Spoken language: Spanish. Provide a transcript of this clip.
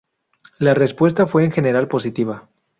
La respuesta fue, en general, positiva.